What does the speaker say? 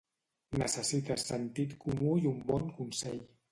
Necessites sentit comú i un bon consell.